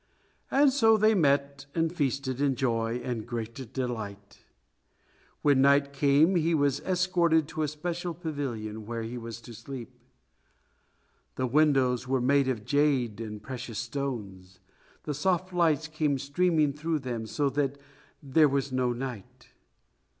And so they met and feasted in joy and great delight. When night came he was escorted to a special pavilion, where he was to sleep. The windows were made of jade and precious stones, and soft lights came streaming through them, so that there was no night.